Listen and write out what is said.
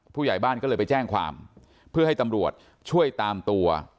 ผู้ใหญ่บ้านก็เลยไปแจ้งความเพื่อให้ตำรวจช่วยตามตัว